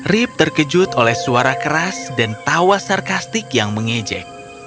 rip terkejut oleh suara keras dan tawa sarkastik yang mengejek